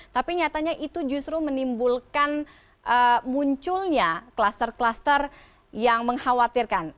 tapi nyatanya itu justru menimbulkan munculnya kluster kluster yang mengkhawatirkan